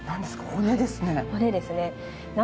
骨ですね。